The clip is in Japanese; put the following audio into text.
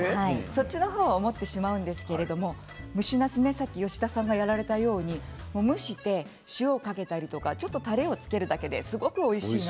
そっちの方を思ってしまうんですけれど蒸しなす、先ほど吉田さんがやられたように蒸して塩をかけたりちょっとたれをつけるだけでおいしい。